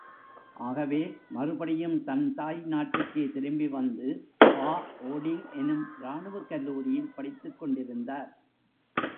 ஆகவே மறுபடியும் தன் தாய் நாட்டுக்கே திரும்பி வந்து பா ஓடிங் எனும் இராணுவ கல்லூரியில் படித்துக் கொண்டிருந்தார்.